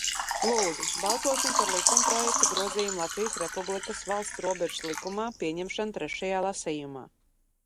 "Lūdzu, balsosim par likumprojekta "Grozījumi Latvijas Republikas valsts robežas likumā" pieņemšanu trešajā lasījumā."